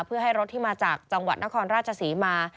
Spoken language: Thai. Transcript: เพื่อให้รถที่มาจากจังหวัดนครราชศรีมา